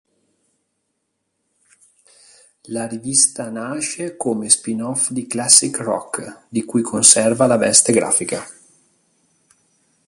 La rivista nasce come spin-off di "Classic Rock", di cui conserva la veste grafica.